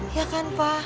iya kan pak